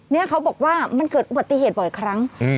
นี่เขาบอกว่ามันเกิดปฏิเหตุบ่อยครั้งอืม